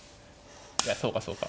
いやそうかそうか。